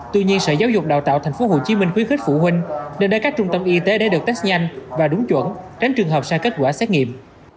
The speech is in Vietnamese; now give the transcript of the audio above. tuy nhiên sở giáo dục đào tạo tp hcm khuyến khích phụ huynh nên đến các trung tâm y tế để được test nhanh và đúng chuẩn tránh trường hợp sai kết quả xét nghiệm